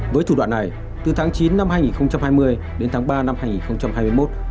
với thủ đoạn này từ tháng chín năm hai nghìn hai mươi đến tháng ba năm hai nghìn hai mươi một